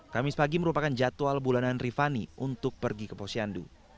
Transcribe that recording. kamis pagi merupakan jadwal bulanan rifani untuk pergi ke posyandu